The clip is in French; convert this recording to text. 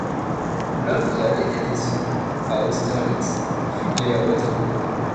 L’homme qui avait été sombre à Austerlitz fut gai à Waterloo.